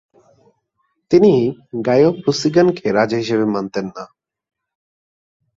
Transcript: তিনি Guy of লুসিগনানকে রাজা হিসেবে মানতেন না।